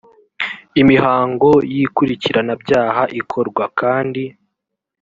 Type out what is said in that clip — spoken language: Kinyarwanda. imihango y ikurikiranabyaha ikorwa kandi